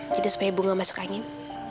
jadi supaya ibu gak masuk angin